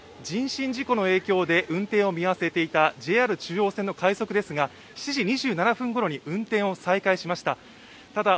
人身事故の影響で運転を見合わせていたＪＲ中央線の快速ですが７時２７分ごろに運転を再開しました。